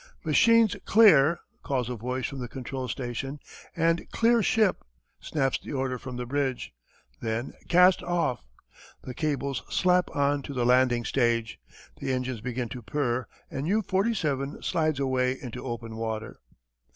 "Machines clear," calls a voice from the control station and "Clear ship," snaps the order from the bridge. Then "Cast off!" The cables slap on to the landing stage, the engines begin to purr, and U 47 slides away into open water.